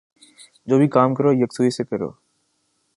جو بھی کام کرو یکسوئی سے کرو